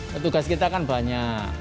petugas kita kan banyak